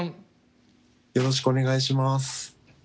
よろしくお願いします。